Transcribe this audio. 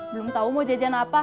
belum tahu mau jajan apa